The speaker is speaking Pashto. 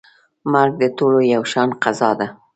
مرګ د ټولو یو شان قضا ده.